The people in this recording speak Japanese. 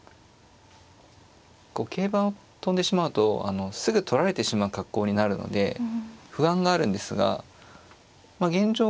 こう桂馬を跳んでしまうとすぐ取られてしまう格好になるので不安があるんですが現状